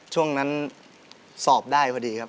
ช่วงนั้นสอบได้พอดีครับ